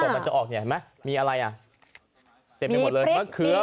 ไหนยังไหมมีอะไรอะเต็มไปหมดเลยมรับเขือมรัก